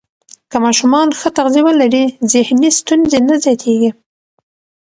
که ماشومان ښه تغذیه ولري، ذهني ستونزې نه زیاتېږي.